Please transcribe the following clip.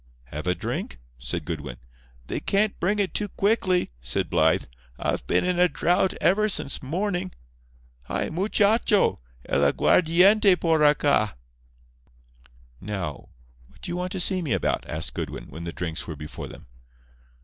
"Have a drink?" said Goodwin. "They can't bring it too quickly," said Blythe. "I've been in a drought ever since morning. Hi—muchacho!—el aguardiente por acá." "Now, what do you want to see me about?" asked Goodwin, when the drinks were before them.